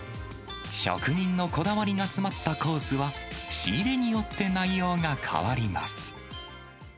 職人のこだわりが詰まったコースは、仕入れによって内容が変わります。